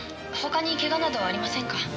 他にけがなどはありませんか？